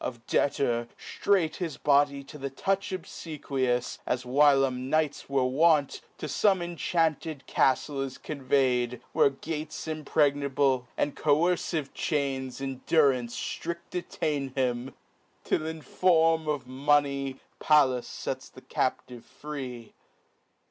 Of debtor, ftrait his body, to the touch Obfequious, (as whilom knights were wont) To fome inchanted caftle is convey'd, Where gates impregnable, and coercive chains In durance Uriel: detain him, till in form Of money, Pallas fets the captive free.